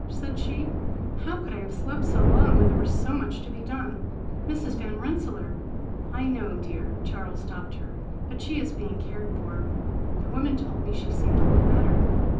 said she. "How could I have slept so long when there was so much to be done! Mrs. Van Rensselaer——" "I know, dear," Charles stopped her, "but she is being cared for. The woman told me she seemed a little better.